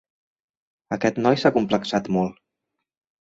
Aquest noi s'ha acomplexat molt.